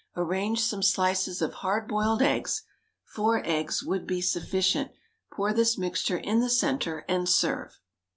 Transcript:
Arrange some slices of hard boiled eggs four eggs would be sufficient pour this mixture in the centre, and serve.